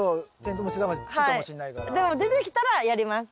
でも出てきたらやります。